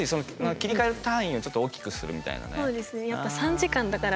切り替える単位をちょっと大きくするみたいなね。